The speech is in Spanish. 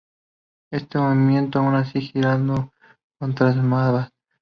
Este movimiento, aun así, girado Adarnase contra Smbat.